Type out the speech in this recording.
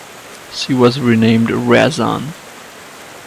She was renamed "Ryazan".